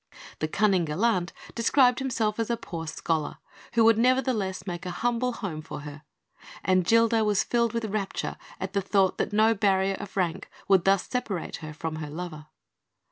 The cunning gallant described himself as a poor scholar, who would nevertheless make a humble home for her; and Gilda was filled with rapture at the thought that no barrier of rank would thus separate her from her lover.